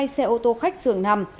hai xe ô tô khách dường nằm